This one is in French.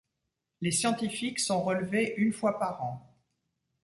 Les scientifiques sont relevés une fois par an.